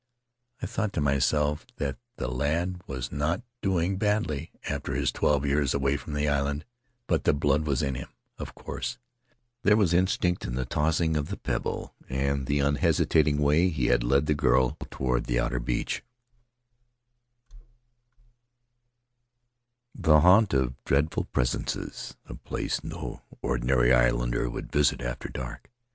I thought to myself that the lad was not doing badly after his twelve years away from the island, but the blood was in him, of course — there was in stinct in his manner of tossing the pebble and in the unhesitating way he had led the girl toward the outer [ 226 ] His Mother's People beach: the haunt of dreadful presences, a place no ordinary islander would visit after dark.